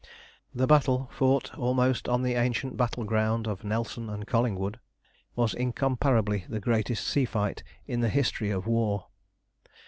The battle, fought almost on the ancient battle ground of Nelson and Collingwood, was incomparably the greatest sea fight in the history of war.